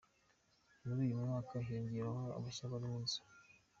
Muri uyu mwaka hiyongereyemo abashya barimo inzu.